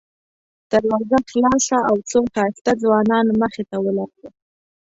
دروازه خلاصه او څو ښایسته ځوانان مخې ته ولاړ وو.